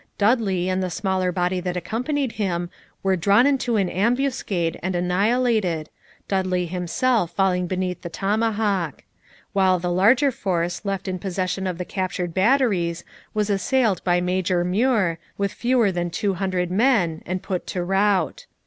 Dudley and the smaller body that accompanied him were drawn into an ambuscade and annihilated, Dudley himself falling beneath the tomahawk; while the larger force left in possession of the captured batteries was assailed by Major Muir, with fewer than two hundred men, and put to rout.